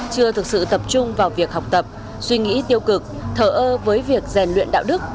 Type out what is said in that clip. chưa thực sự tập trung vào việc học tập suy nghĩ tiêu cực thở ơ với việc rèn luyện đạo đức